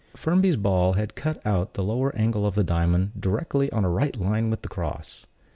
Firmby's ball had cut out the lower angle of the diamond, directly on a right line with the cross.